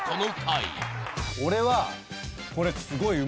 俺は。